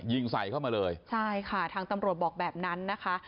ยิงใส่เข้ามาเลยใช่ค่ะทางตำรวจบอกแบบนั้นนะคะ